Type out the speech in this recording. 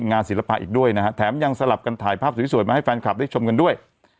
ศิลปะอีกด้วยนะฮะแถมยังสลับกันถ่ายภาพสวยมาให้แฟนคลับได้ชมกันด้วย